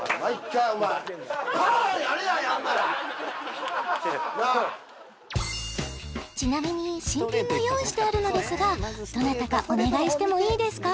違う違うちなみに新品も用意してあるのですがどなたかお願いしてもいいですか？